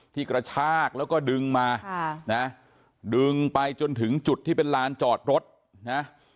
กระชากแล้วก็ดึงมานะดึงไปจนถึงจุดที่เป็นลานจอดรถนะ